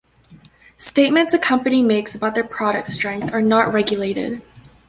Statements a company makes about their product strength are not regulated.